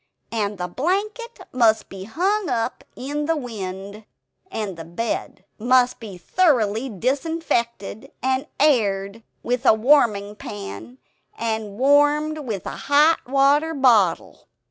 And the blanket must be hung up in the wind; and the bed must be thoroughly disinfected, and aired with a warming pan; and warmed with a hot water bottle."